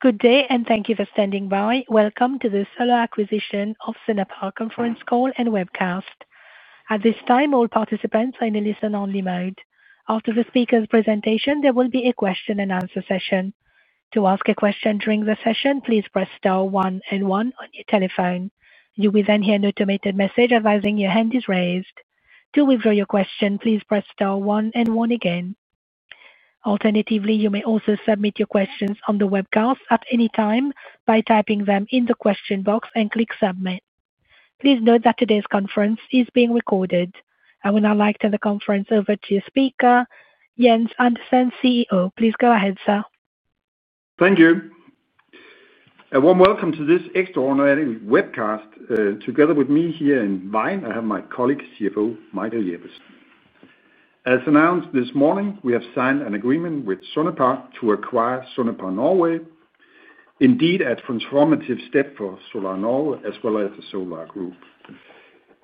Good day and thank you for standing by. Welcome to the Solar acquisition of Sonepar Norway conference call and webcast. At this time, all participants are in a listen-only mode. After the speaker's presentation, there will be a question and answer session. To ask a question during the session, please press star one and one on your telephone. You will then hear an automated message advising your hand is raised. To withdraw your question, please press star one and one again. Alternatively, you may also submit your questions on the webcast at any time by typing them in the question box and click submit. Please note that today's conference is being recorded. I will now like to turn the conference over to your speaker, Jens Andersen, CEO. Please go ahead, sir. Thank you. A warm welcome to this extraordinary webcast. Together with me here in Vine, I have my colleague, CFO Michael Jeppesen. As announced this morning, we have signed an agreement with Sonepar to acquire Sonepar Norway. Indeed, a transformative step for Solar Norway as well as the Solar Group.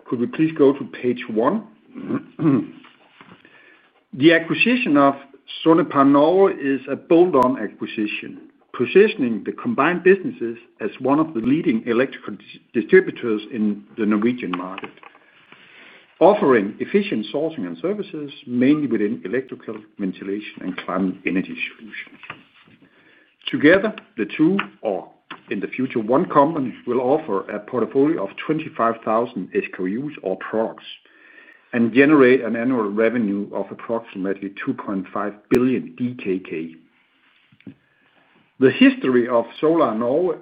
Could we please go to page one? The acquisition of Sonepar Norway is a bolt-on deal, positioning the combined businesses as one of the leading electrical distributors in the Norwegian market, offering efficient sourcing and services, mainly within electrical, ventilation, and climate energy solutions. Together, the two, or in the future, one company will offer a portfolio of 25,000 SKUs or products and generate an annual revenue of approximately 2.5 billion DKK. The history of Solar Norway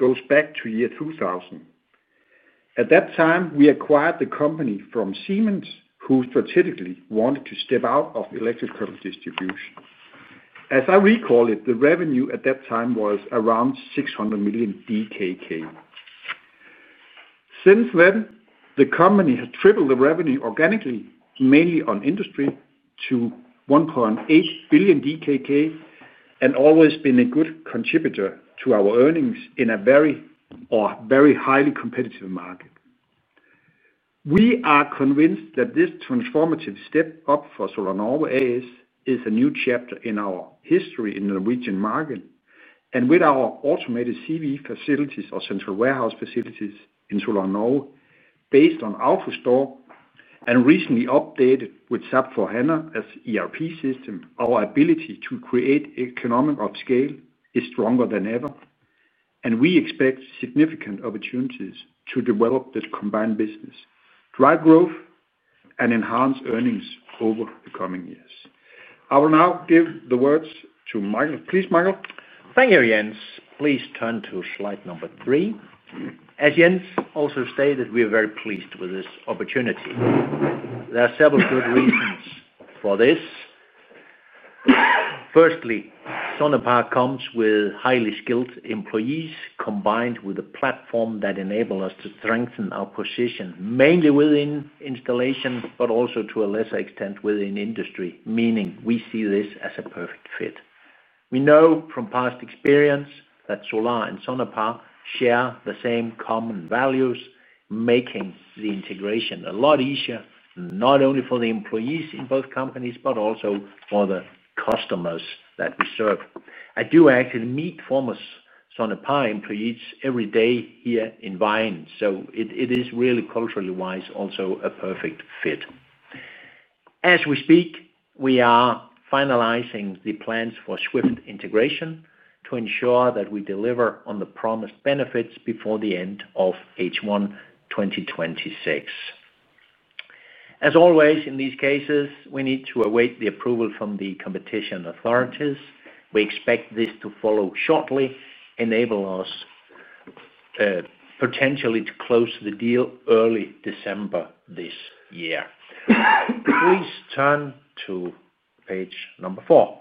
goes back to year 2000. At that time, we acquired the company from Siemens, who strategically wanted to step out of electrical distribution. As I recall it, the revenue at that time was around 600 million DKK. Since then, the company has tripled the revenue organically, mainly on industry, to 1.8 billion DKK and always been a good contributor to our earnings in a very or very highly competitive market. We are convinced that this transformative step up for Solar Norway is a new chapter in our history in the Norwegian market. With our automated central warehouse facilities in Solar Norway, based on AlphaStore and recently updated with SAP for HANA as ERP system, our ability to create economic scale is stronger than ever. We expect significant opportunities to develop this combined business, drive growth, and enhance earnings over the coming years. I will now give the word to Michael. Please, Michael. Thank you, Jens. Please turn to slide number three. As Jens also stated, we are very pleased with this opportunity. There are several good reasons for this. Firstly, Sonepar comes with highly skilled employees, combined with a platform that enables us to strengthen our position, mainly within installation, but also to a lesser extent within industry, meaning we see this as a perfect fit. We know from past experience that Solar and Sonepar share the same common values, making the integration a lot easier, not only for the employees in both companies, but also for the customers that we serve. I do actually meet former Sonepar employees every day here in Vine, so it is really culturally wise also a perfect fit. As we speak, we are finalizing the plans for swift integration to ensure that we deliver on the promised benefits before the end of H1 2026. As always, in these cases, we need to await the approval from the competition authorities. We expect this to follow shortly, enable us potentially to close the deal early December this year. Please turn to page number four.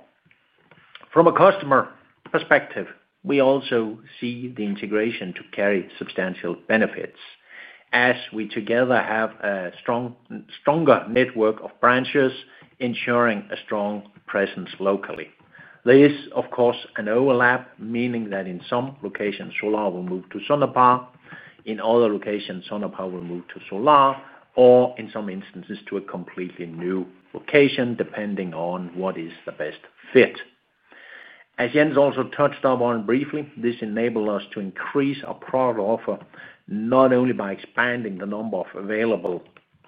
From a customer perspective, we also see the integration to carry substantial benefits, as we together have a stronger network of branches, ensuring a strong presence locally. There is, of course, an overlap, meaning that in some locations, Solar will move to Sonepar; in other locations, Sonepar will move to Solar, or in some instances, to a completely new location, depending on what is the best fit. As Jens also touched upon briefly, this enables us to increase our product offer not only by expanding the number of available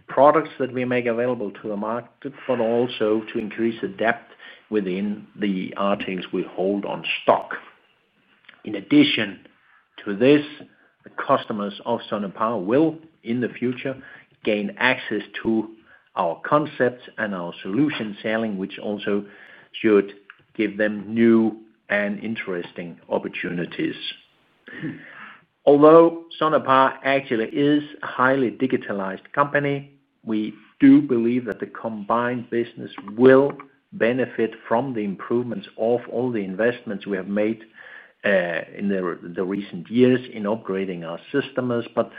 products that we make available to the market, but also to increase the depth within the articles we hold on stock. In addition to this, the customers of Sonepar will, in the future, gain access to our concepts and our solution selling, which also should give them new and interesting opportunities. Although Sonepar actually is a highly digitalized company, we do believe that the combined business will benefit from the improvements of all the investments we have made, in the recent years in upgrading our systems, but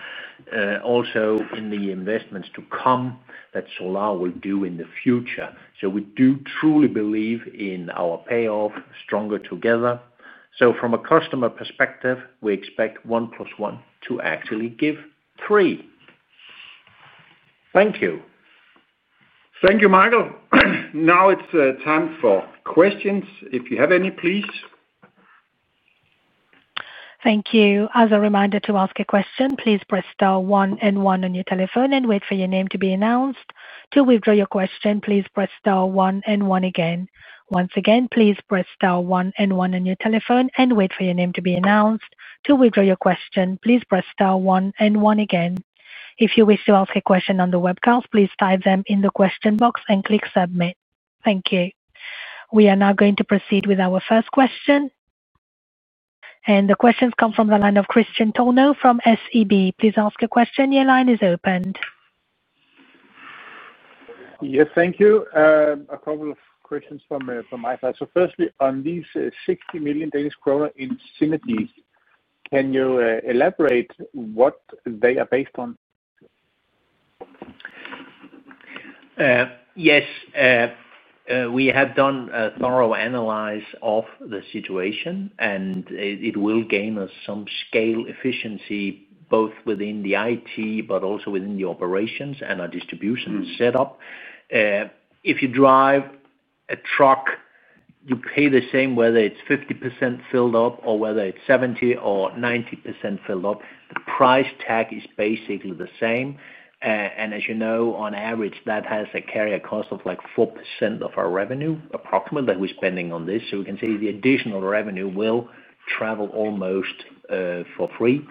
also in the investments to come that Solar will do in the future. We do truly believe in our payoff stronger together. From a customer perspective, we expect one plus one to actually give three. Thank you. Thank you, Michael. Now it's time for questions. If you have any, please. Thank you. As a reminder, to ask a question, please press star one and one on your telephone and wait for your name to be announced. To withdraw your question, please press star one and one again. Once again, please press star one and one on your telephone and wait for your name to be announced. To withdraw your question, please press star one and one again. If you wish to ask a question on the webcast, please type them in the question box and click submit. Thank you. We are now going to proceed with our first question. The questions come from the line of Christian Tono from SEB. Please ask a question. Your line is opened. Yes, thank you. A couple of questions from my side. Firstly, on these 60 million Danish kroner in synergies, can you elaborate what they are based on? Yes. We have done a thorough analysis of the situation, and it will gain us some scale efficiency both within the IT, but also within the operations and our distribution setup. If you drive a truck, you pay the same whether it's 50% filled up or whether it's 70% or 90% filled up. The price tag is basically the same. As you know, on average, that has a carrier cost of like 4% of our revenue approximately that we're spending on this. We can say the additional revenue will travel almost for free.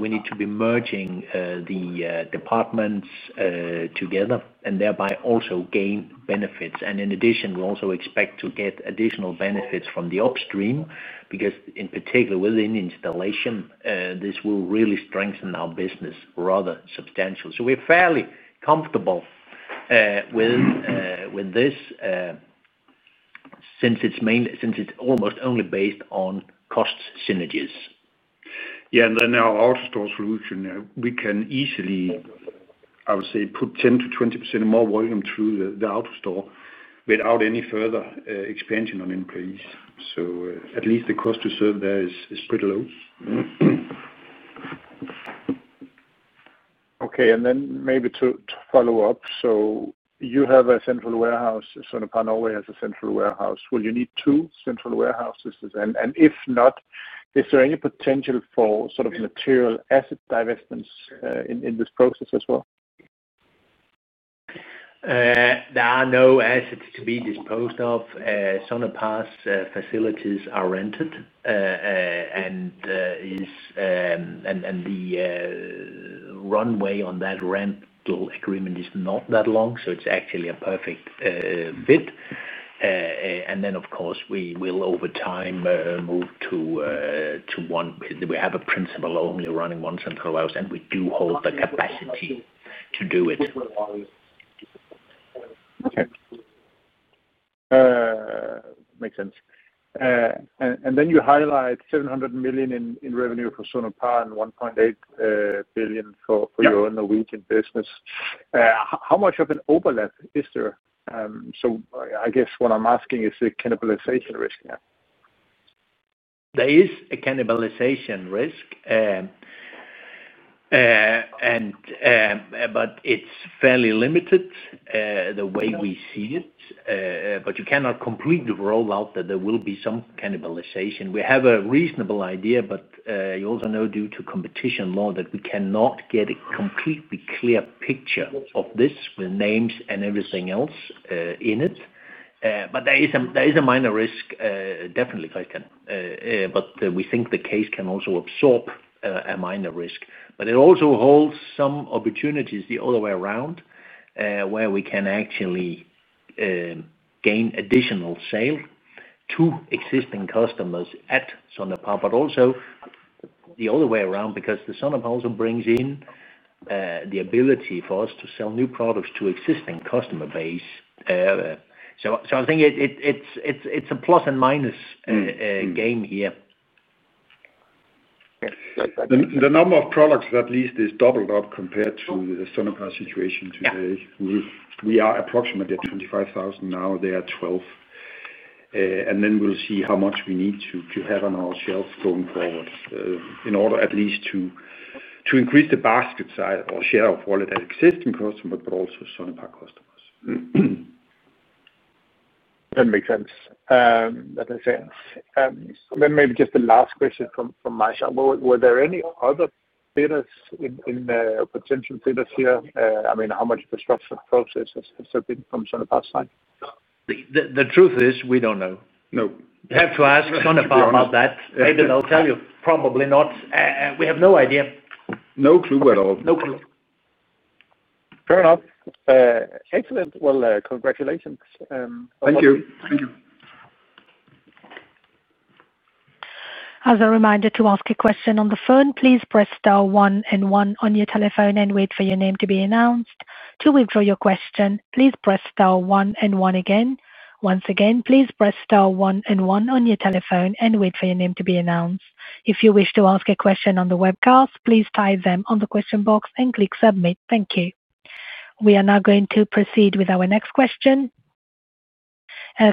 We need to be merging the departments together and thereby also gain benefits. In addition, we also expect to get additional benefits from the upstream because in particular within installation, this will really strengthen our business rather substantially. We're fairly comfortable with this since it's almost only based on cost synergies. Our AlphaStore solution can easily, I would say, put 10% to 20% more volume through the AlphaStore without any further expansion on employees. At least the cost to serve there is pretty low. Okay. Maybe to follow up, you have a central warehouse. Sonepar Norway has a central warehouse. Will you need two central warehouses? If not, is there any potential for sort of material asset divestments in this process as well? There are no assets to be disposed of. Sonepar's facilities are rented, and the runway on that rental agreement is not that long, so it's actually a perfect fit. Of course, we will over time move to one where we have in principle only one central warehouse running, and we do hold the capacity to do it. Okay. Makes sense. You highlight 700 million in revenue for Sonepar Norway and 1.8 billion for your Norwegian business. How much of an overlap is there? I guess what I'm asking is the cannibalization risk here. There is a cannibalization risk, but it's fairly limited the way we see it. You cannot completely rule out that there will be some cannibalization. We have a reasonable idea, but you also know due to competition law that we cannot get a completely clear picture of this with names and everything else in it. There is a minor risk, definitely, Christian. We think the case can also absorb a minor risk. It also holds some opportunities the other way around, where we can actually gain additional sale to existing customers at Sonepar, but also the other way around because Sonepar also brings in the ability for us to sell new products to existing customer base. I think it's a plus and minus game here. The number of products at least is doubled up compared to the Sonepar situation today. We are approximately at 25,000 now. They are 12,000. We'll see how much we need to have on our shelves going forward in order at least to increase the basket size or share of wallet at existing customers, but also Sonepar customers. That makes sense. That makes sense. Maybe just the last question from my side. Were there any other potential suitors here? I mean, how much of the structured process has there been from Sonepar's side? The truth is we don't know. No. You have to ask Sonepar about that. They will tell you probably not. We have no idea. No clue at all. No clue. Fair enough. Excellent. Congratulations. Thank you. Thank you. As a reminder to ask a question on the phone, please press star one and one on your telephone and wait for your name to be announced. To withdraw your question, please press star one and one again. Once again, please press star one and one on your telephone and wait for your name to be announced. If you wish to ask a question on the webcast, please type them in the question box and click submit. Thank you. We are now going to proceed with our next question.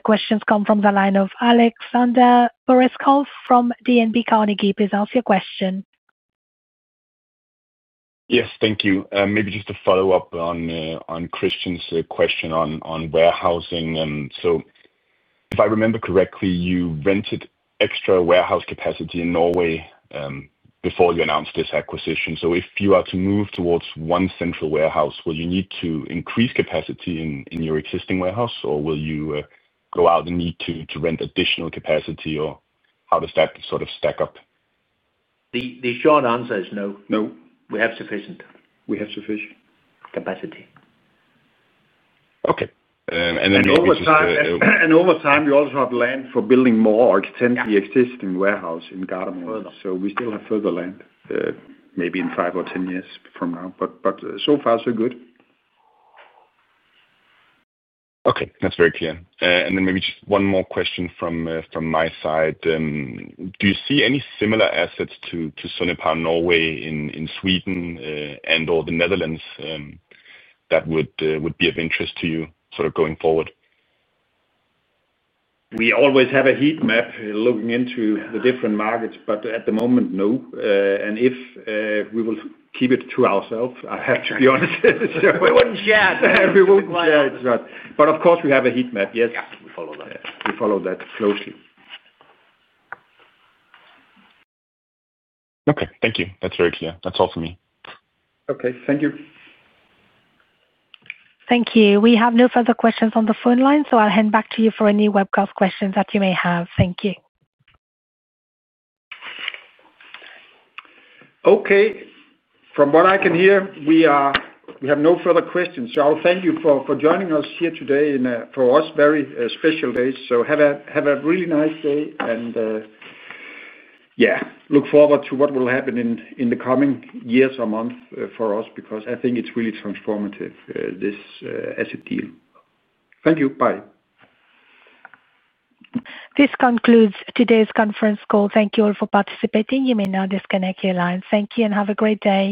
Questions come from the line of Alexander Borreskov from DNB Carnegie. Please ask your question. Yes, thank you. Maybe just to follow up on Christian's question on warehousing. If I remember correctly, you rented extra warehouse capacity in Norway before you announced this acquisition. If you are to move towards one central warehouse, will you need to increase capacity in your existing warehouse, or will you go out and need to rent additional capacity, or how does that sort of stack up? The short answer is no. No. We have sufficient. We have sufficient capacity. Okay. The other side. Over time, you also have land for building more or extending the existing warehouse in Gardermoen. We still have further land, maybe in 5 or 10 years from now. So far, so good. Okay. That's very clear. Maybe just one more question from my side. Do you see any similar assets to Sonepar Norway in Sweden and/or the Netherlands that would be of interest to you going forward? We always have a heat map looking into the different markets, but at the moment, no. If we will keep it to ourselves, I have to be honest. We wouldn't share. We won't share it, but of course, we have a heat map, yes. We follow that. We follow that closely. Okay. Thank you. That's very clear. That's all for me. Okay, thank you. Thank you. We have no further questions on the phone line, so I'll hand back to you for any webcast questions that you may have. Thank you. Okay. From what I can hear, we have no further questions. I'll thank you for joining us here today for us, very special days. Have a really nice day. I look forward to what will happen in the coming years or months for us because I think it's really transformative, this asset deal. Thank you. Bye. This concludes today's conference call. Thank you all for participating. You may now disconnect your lines. Thank you and have a great day.